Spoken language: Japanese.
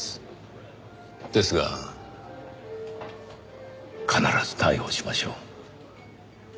ですが必ず逮捕しましょう。